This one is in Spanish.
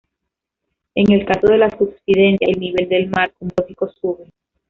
En el caso de la subsidencia, el nivel del mar, como es lógico, sube.